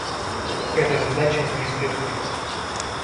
Это задача не из легких.